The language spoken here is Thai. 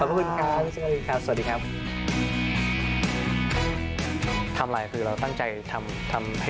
คุณผู้ชมไม่เจนเลยค่ะถ้าลูกคุณออกมาได้มั้ยคะ